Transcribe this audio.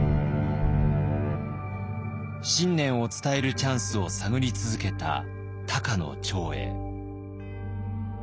信念を伝えるチャンスを探り続けた高野長英。